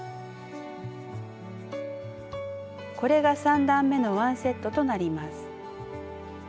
これが３段めのワンセットとなります。